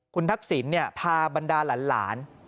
คุณทักสินเนี่ยพาบรรดาหลาน